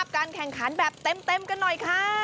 การแข่งขันแบบเต็มกันหน่อยค่ะ